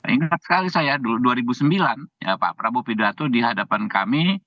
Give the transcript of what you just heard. ingat sekali saya dulu dua ribu sembilan pak prabowo pidato di hadapan kami